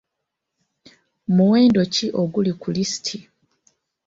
Muwendo ki oguli ku lisiiti?